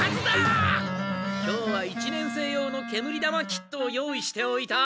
今日は一年生用の煙玉キットを用意しておいた。